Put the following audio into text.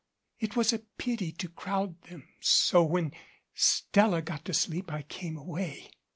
It was a pity to crowd them, so when Stella got to sleep I came away."